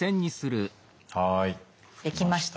はいできました？